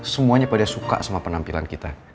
semuanya pada suka sama penampilan kita